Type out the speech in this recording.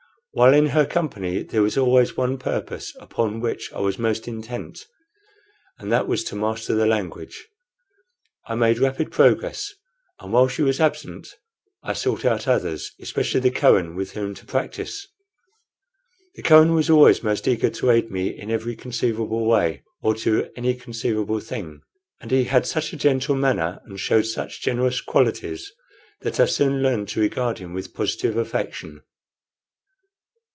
While in her company there was always one purpose upon which I was most intent, and that was to master the language. I made rapid progress, and while she was absent I sought out others, especially the Kohen, with whom to practice. The Kohen was always most eager to aid me in every conceivable way or to any conceivable thing; and he had such a gentle manner and showed such generous qualities that I soon learned to regard him with positive affection.